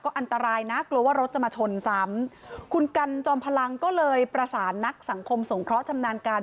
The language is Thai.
อันตรายนะกลัวว่ารถจะมาชนซ้ำคุณกันจอมพลังก็เลยประสานนักสังคมสงเคราะห์ชำนาญการ